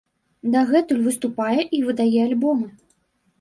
Дагэтуль выступае і выдае альбомы.